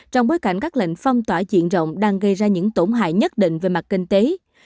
trong bối cảnh các lệnh phong tỏa diện rộng đang gây ra những tổn hại nhất định về mặt kinh tế